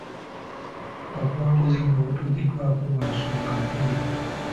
Ebuwanguzi buno butuukiddwako lwa nsonga bbiri.